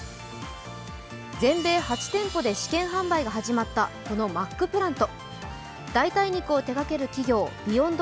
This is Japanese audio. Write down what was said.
全米８店舗で試験販売が始まったこのマックプラント。